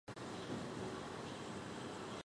她父亲黄善兴在附近经营一家洗衣店。